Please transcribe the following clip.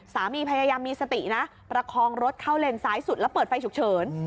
พยายามมีสตินะประคองรถเข้าเลนซ้ายสุดแล้วเปิดไฟฉุกเฉิน